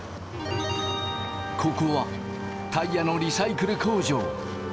ここはタイヤのリサイクル工場。